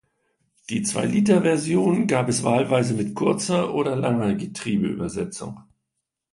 Die Zweiliter-Version gab es wahlweise mit kurzer oder langer Getriebeübersetzung.